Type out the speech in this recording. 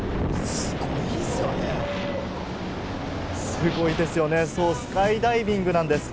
すごいですよね、スカイダイビングなんです！